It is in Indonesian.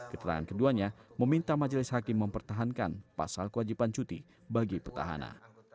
keterangan keduanya meminta majelis hakim mempertahankan pasal kewajiban cuti bagi petahana